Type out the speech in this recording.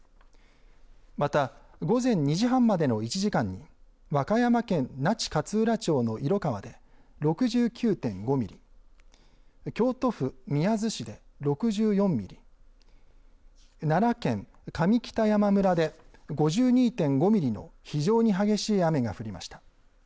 また午前２時半までの１時間に和歌山県那智勝浦町の色川で６９．５ミリ、京都府宮津市で６４ミリ、奈良県上北山村で５２．５ミリの非常に激しい雨が降りました。